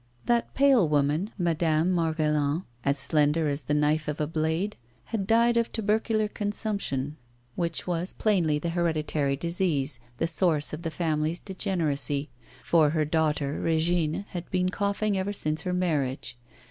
That pale woman, Madame Margaillan, as slender as the blade of a knife, had died of tubercular consumption, which was plainly the hereditary disease, the source of the family's degeneracy, for her daughter, Régine, had been coughing ever since her marriage.